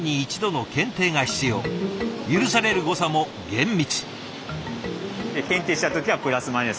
許される誤差も厳密。